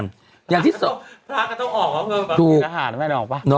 ละล่ะก็จะต้องบางทีข้างออกแล้วก็เปิด